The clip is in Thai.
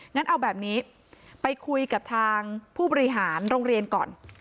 งั้นเอาแบบนี้ไปคุยกับทางผู้บริหารโรงเรียนก่อน